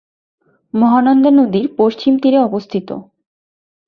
মহানন্দা নদীর পশ্চিম তীরে অবস্থিত।